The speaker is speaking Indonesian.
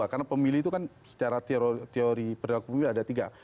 karena pemilih itu kan secara teori berdaku pemilih ada tiga